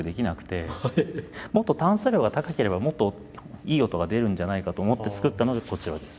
もっと炭素量が高ければもっといい音が出るんじゃないかと思ってつくったのがこちらです。